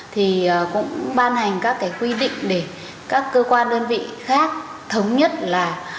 thì cũng ban hành các cái quy định để các cơ quan đơn vị khác thống nhất là